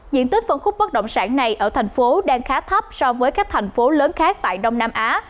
diện tích phân khúc bất động sản này ở thành phố đang khá thấp so với các thành phố lớn khác tại đông nam á